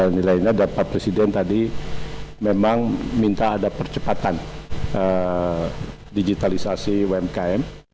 nilainya dapat presiden tadi memang minta ada percepatan digitalisasi umkm